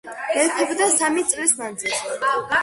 მეფობდა სამი წლის მანძილზე.